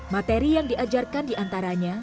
materi yang diajarkan diantaranya